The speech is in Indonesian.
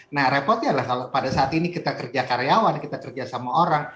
nah repotnya lah kalau pada saat ini kita kerja karyawan kita kerja sama orang